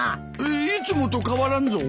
いつもと変わらんぞ。